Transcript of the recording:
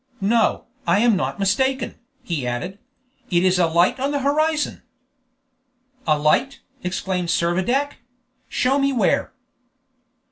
"No, I am not mistaken," he added; "it is a light on the horizon." "A light!" exclaimed Servadac; "show me where."